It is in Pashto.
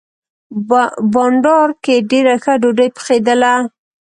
بانډار کې ډېره ښه ډوډۍ پخېدله.